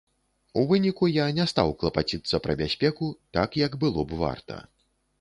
У выніку я не стаў клапаціцца пра бяспеку так, як было б варта.